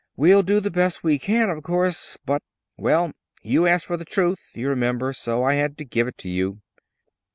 We'll do the best we can, of course; but well, you asked for the truth, you remember; so I had to give it to you."